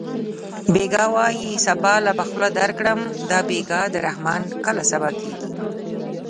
بېګا وایې سبا له به خوله درکړم دا بېګا د رحمان کله سبا کېږي